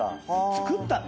作ったの⁉